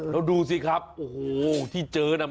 แล้วดูสิครับโอ้โหที่เจอน่ะ